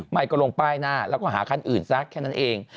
ไม่ก็ลงป้ายหน้าแล้วก็หาคันอื่นซะแค่นั้นเอง